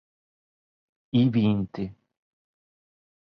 I vinti